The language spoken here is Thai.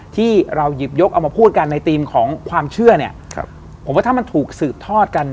ที่เราหยิบยกเอามาพูดกันในธีมของความเชื่อเนี่ยผมว่าถ้ามันถูกสืบทอดกัน